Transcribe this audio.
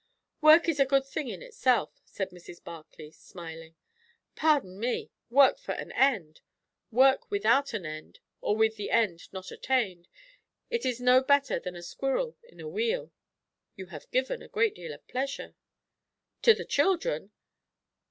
"Work is a good thing in itself," said Mrs. Barclay, smiling. "Pardon me! work for an end. Work without an end or with the end not attained it is no better than a squirrel in a wheel." "You have given a great deal of pleasure." "To the children!